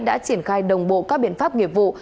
đã triển khai đồng bộ các biện pháp nghiệp vụ